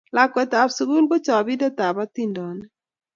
Lakwetap sukul ko chopindetap atindonik